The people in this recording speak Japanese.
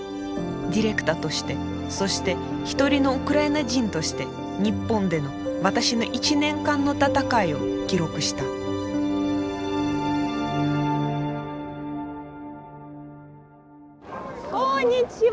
「ディレクター」としてそして一人の「ウクライナ人」として日本での私の１年間の戦いを記録したこんにちは！